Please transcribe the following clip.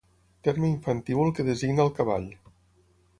Terme infantívol que designa el cavall.